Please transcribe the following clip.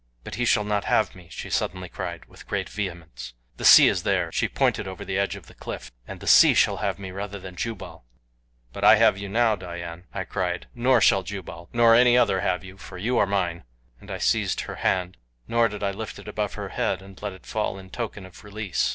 "But he shall not have me," she suddenly cried, with great vehemence. "The sea is there" she pointed over the edge of the cliff "and the sea shall have me rather than Jubal." "But I have you now Dian," I cried; "nor shall Jubal, nor any other have you, for you are mine," and I seized her hand, nor did I lift it above her head and let it fall in token of release.